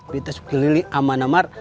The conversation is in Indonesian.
beta sukili aman aman